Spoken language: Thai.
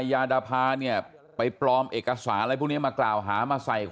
แล้วก็ถ่ายเขียนขึ้นมาเองแล้วก็ถ่ายถ่ายแตะแตะแตะ